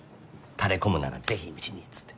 タレこむなら是非うちにつって。